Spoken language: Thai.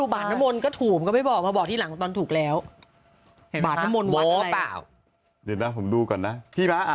บาตนมนต์ก็ถูกไม่บอกมาบอกที่หลังตอนถูกแล้วบาตนมนต์หัวตาเวลาผมดูก่อนนะ